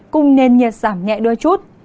cùng nền nhiệt giảm nhẹ đôi chút